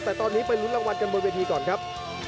แต่ตอนนี้ไปลุ้นรางวัลกันบนเวทีก่อนครับ